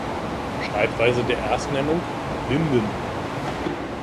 Schreibweise der Erstnennung: "Linden"